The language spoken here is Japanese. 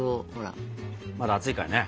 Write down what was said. まだ熱いからね。